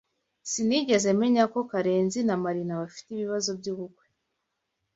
Sinigeze menya ko Karenzi na Marina bafite ibibazo byubukwe.